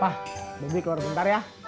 pak bobi keluar bentar ya